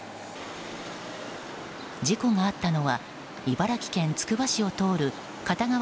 事故があったのは茨城県つくば市を通る片側